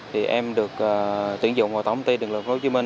thì em được tuyển dụng vào tổng công ty điện lực tp hcm